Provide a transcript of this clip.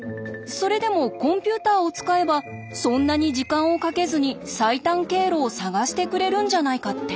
それでもコンピューターを使えばそんなに時間をかけずに最短経路を探してくれるんじゃないかって？